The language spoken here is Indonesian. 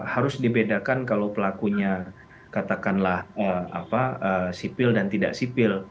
harus dibedakan kalau pelakunya katakanlah sipil dan tidak sipil